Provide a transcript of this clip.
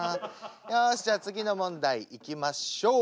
よしじゃあ次の問題いきましょう。